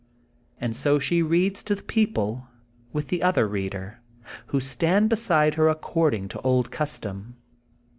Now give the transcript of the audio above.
And so she reads to the people, with the other reader, who stands beside her accord ing to old custom.